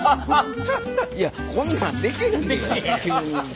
いやこんなんできひんで急に。